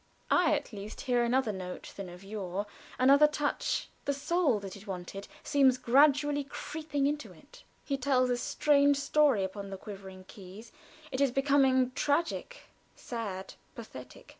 I at least hear another note than of yore, another touch. The soul that it wanted seems gradually creeping into it. He tells a strange story upon the quivering keys it is becoming tragic, sad, pathetic.